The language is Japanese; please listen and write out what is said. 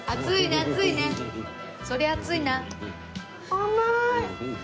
甘い。